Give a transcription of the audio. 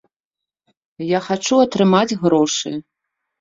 Я хачу атрымаць грошы.